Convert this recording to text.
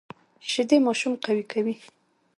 شیدې ماشوم قوي کوي